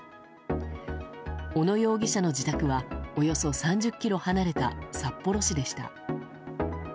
小野容疑者の自宅はおよそ３０ｋｍ離れた札幌市でした。